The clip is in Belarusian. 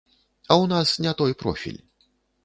А ў нас не той профіль.